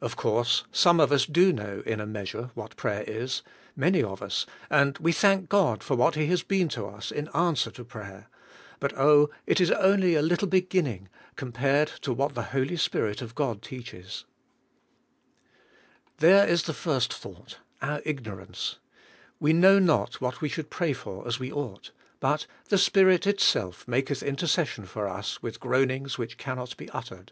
Of course some of us do know in a measure what prayer is, many of us, and we thank God for what he has been to us in answer to prayer, but oh, it is only a little beginning co:r.pared to what the Holy Spirit of God teaches. There is the first thought: our ignorance. "We know not what we should pray for as we ought;" 160 THE SO UR CE OF PO WER IN PR A YER but '4he Spirit itself maketh intercession for us with groanings which cannot be uttered."